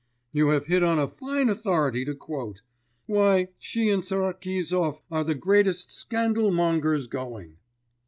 'You have hit on a fine authority to quote! Why, she and Sarkizov are the greatest scandal mongers going.